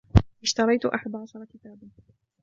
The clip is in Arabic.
اشتريت أحد عشر كتابا.